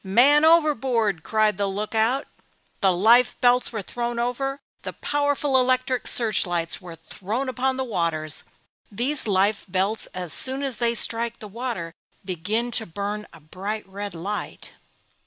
"Man overboard!" cried the Lookout. The life belts were thrown over. The powerful electric search lights were thrown upon the waters. These life belts as soon as they strike the water begin to burn a bright red light.